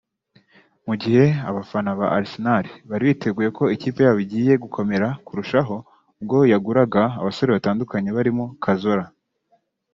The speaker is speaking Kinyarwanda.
Mugihe abafana ba Arsenal bari biteguye ko ikipe yabo igiye gukomera kurushaho ubwo yaguraga abasore batandukanye barimo Cazorla